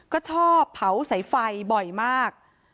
ก็ชอบเผาสายไฟบ่อยมาก